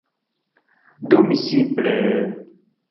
Do mi simple…